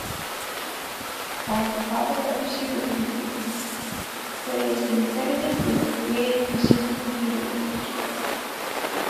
Called "the father of supercomputing," Cray has been credited with creating the supercomputer industry.